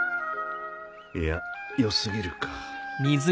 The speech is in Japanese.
いや良過ぎるか。